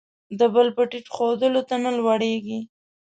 د بل په ټیټ ښودلو، ته نه لوړېږې.